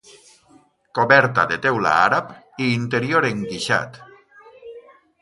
Coberta de teula àrab i interior enguixat.